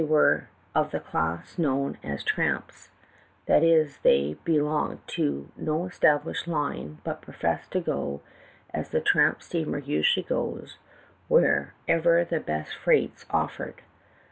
were of the class known as 'tramps,' that is, they be longed to no established line, but professed to go, as the tramjD steamer usually goes, wherever the best freights offered.